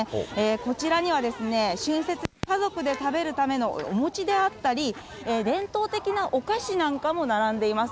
こちらには春節に家族で食べるためのお餅であったり、伝統的なお菓子なんかも並んでいます。